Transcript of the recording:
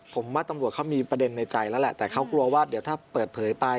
ผมว่าตำรวจเขามีประเด็นในใจแล้วแหละแต่เขากลัวว่าเดี๋ยวถ้าเปิดเผยไป